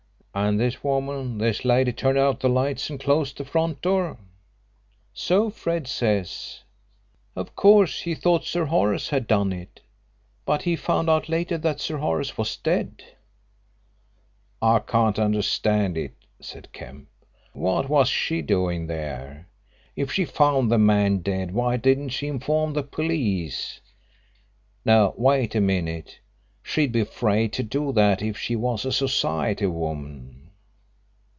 "And this woman this lady turned out the lights and closed the front door?" "So Fred says. Of course he thought Sir Horace had done it, but he found out later that Sir Horace was dead." "I can't understand it," said Kemp. "What was she doing there? If she found the man dead, why didn't she inform the police? No, wait a minute! She'd be afraid to do that if she was a Society woman."